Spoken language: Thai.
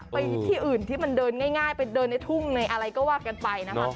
ไปที่อื่นที่มันเดินง่ายไปเดินในทุ่งในอะไรก็ว่ากันไปนะคะ